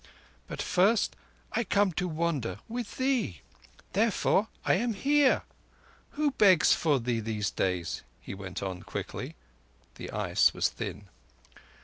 "But first I come to wander with thee. Therefore I am here. Who begs for thee, these days?" he went on quickly. The ice was thin.